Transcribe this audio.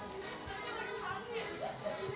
gambar orang hutannya ya